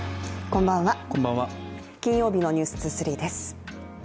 こんばんは、金曜日の「ｎｅｗｓ２３」です。